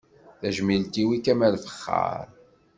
Tajmilt-iw i Kamal Fexxaṛ.